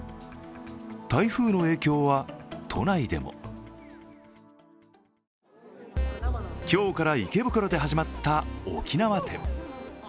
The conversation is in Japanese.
台風の影響は都内でも今日から池袋で始まった沖縄展。